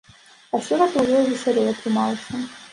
А сёлета ўжо і весялей атрымалася.